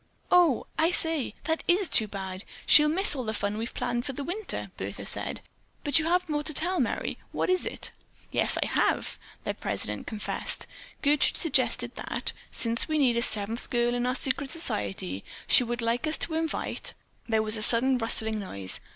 "Oh, I say, that is too bad! She'll miss all the fun we've planned for this winter," Bertha said. "But you have more to tell, Merry. What is it?" "Yes, I have," their president confessed. "Gertrude suggested that, since we need seven girls in our secret society, she would like us to invite——" There was a sudden rustling noise.